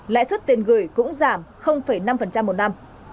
lãi suất tiền gửi cũng giảm năm một năm